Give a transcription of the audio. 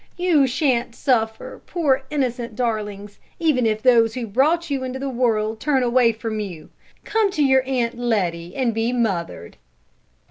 "You shan't suffer, poor innocent darlings, even if those who brought you into the world turn away from you! Come to your Aunt Letty and be mothered!"